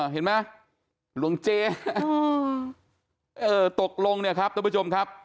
เห็นไหมหลวงเจ๊เออตกลงเนี่ยครับท่านผู้ชมครับ